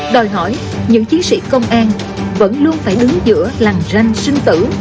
đòi hỏi những chiến sĩ công an vẫn luôn phải đứng giữa làng ranh sinh tử